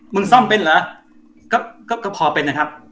ซ่อมเป็นเหรอก็พอเป็นนะครับ